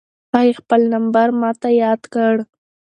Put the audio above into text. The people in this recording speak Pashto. هغې خپل نمبر ماته یاد کړ.